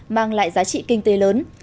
mang lại giá trị kinh tế lớn